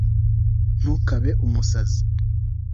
ntukabe umusazi